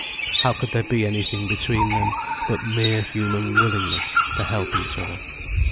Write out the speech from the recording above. How could there be anything between them, but mere human willingness to help each other?